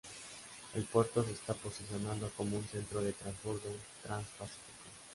El puerto se está posicionando como un centro de transbordo trans-Pacífico.